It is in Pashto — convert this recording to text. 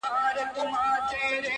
ساقي خراب تراب مي کړه نڅېږم به زه،